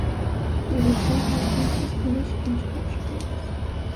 The original diagrams use English Inch measurements.